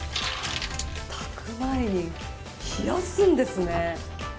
炊く前に冷やすんですね。